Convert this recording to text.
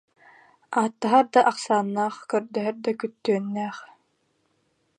Ааттаһар да ахсааннаах, көрдөһөр да күттүөннээх